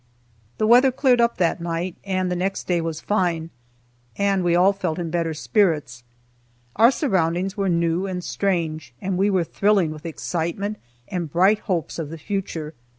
The weather cleared up that night, and the next day was fine, and we all felt in better spirits. Our surroundings were new and strange, and we were thrilling with excitement and bright hopes of the future.